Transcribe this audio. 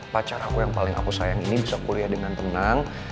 pacar aku yang paling aku sayang ini bisa kuliah dengan tenang